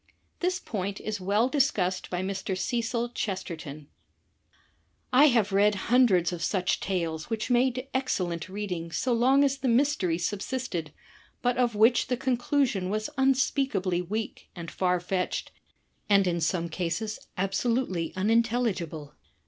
This point is well discussed by Mr. Cecil Chesterton: "I have read hundreds of such tales which made excellent reading so long as the mystery subsisted, but of which the conclusion was imspeakably weak and far fetched and in some cases absolutely unintelligible.